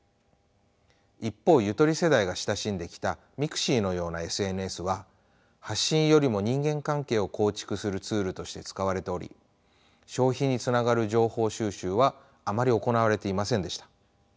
一方ゆとり世代が親しんできたｍｉｘｉのようなＳＮＳは発信よりも人間関係を構築するツールとして使われており消費につながる情報収集はあまり行われていませんでした。